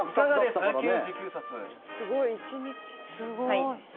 すごい、１日。